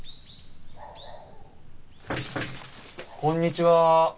こんにちは。